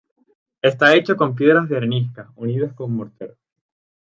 Está hecho con piedras de arenisca unidas con mortero.